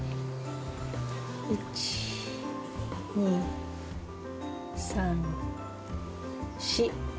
１２３４。